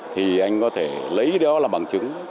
thì anh có thể lấy đó là bằng chứng